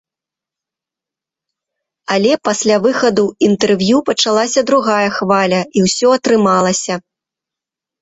Але пасля выхаду інтэрв'ю пачалася другая хваля і ўсё атрымалася.